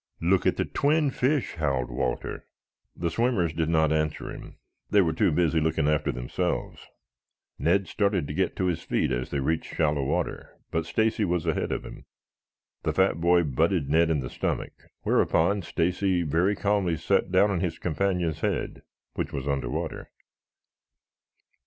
"Look at the twin fish," howled Walter. The swimmers did not answer him. They were too busy looking after themselves. Ned started to get to his feet as they reached shallow water, but Stacy was ahead of him. The fat boy butted Ned in the stomach, whereupon Stacy very calmly sat down on his companion's head, which was under water.